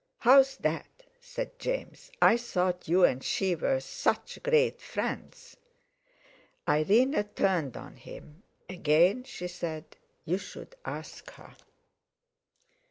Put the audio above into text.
"How's that?" said James. "I thought you and she were such great friends." Irene turned on him. "Again," she said, "you should ask _her!